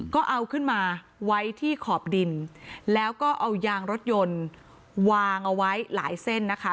ก็เอาขึ้นมาไว้ที่ขอบดินแล้วก็เอายางรถยนต์วางเอาไว้หลายเส้นนะคะ